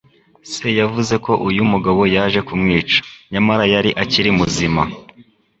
Se yavuze ko uyu mugabo yaje kumwica, nyamara yari akiri muzima.